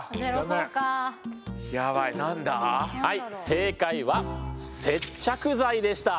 正解は接着剤でした。